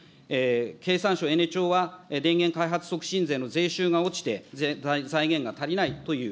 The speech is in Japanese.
経産省エネ庁は電源開発促進税の税収が落ちて、財源が足りないという。